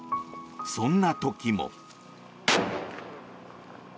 そんな時も。